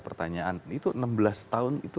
pertanyaan itu enam belas tahun itu